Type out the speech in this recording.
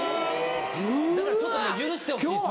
だからちょっとね許してほしいそれは。